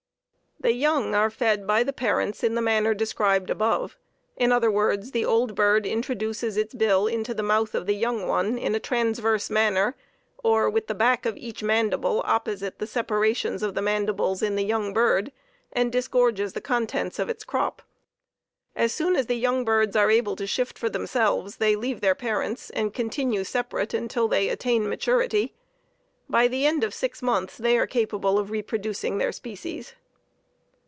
The young are fed by the parents in the manner described above; in other words, the old bird introduces its bill into the mouth of the young one in a transverse manner, or with the back of each mandible opposite the separations of the mandibles of the young bird, and disgorges the contents of its crop. As soon as the young birds are able to shift for themselves, they leave their parents, and continue separate until they attain maturity. By the end of six months they are capable of reproducing their species.